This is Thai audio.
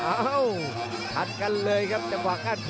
เอ้าถัดกันเลยครับจังหวะกั้นคอ